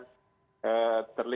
terlibat di stadion ini